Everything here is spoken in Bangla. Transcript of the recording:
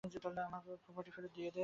আমাদের প্রোপার্টি ফেরত দিয়ে দে।